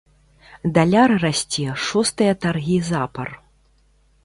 Даляр расце шостыя таргі запар.